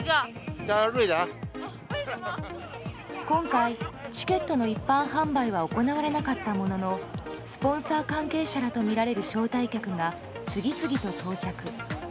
今回、チケットの一般販売は行われなかったもののスポンサー関係者らとみられる招待客が次々と到着。